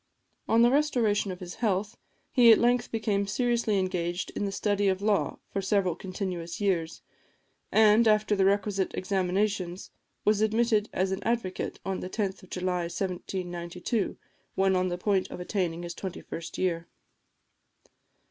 On the restoration of his health, he at length became seriously engaged in the study of law for several continuous years, and, after the requisite examinations, was admitted as an advocate, on the 10th of July 1792, when on the point of attaining his twenty first year.